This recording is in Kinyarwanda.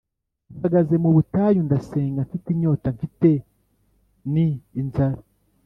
mpagaze mubutayu ndasenga mfite inyota mfite ni inzara